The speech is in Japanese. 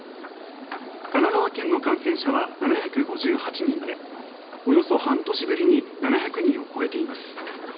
神奈川県の感染者は７５８人でおよそ半年ぶりに７００人を超えています。